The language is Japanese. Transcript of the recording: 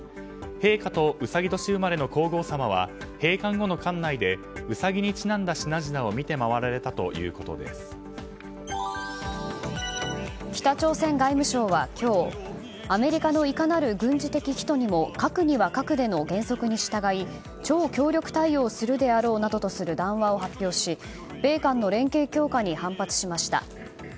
陛下とうさぎ年生まれの皇后さまは閉館後の館内でウサギにちなんだ品々を北朝鮮外務省は今日アメリカのいかなる軍事的企図にも核には核での原則に従い超強力対応するであろうなどとする談話を発表し米韓の連携強化に反発しました。